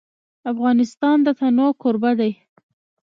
افغانستان د تنوع کوربه دی.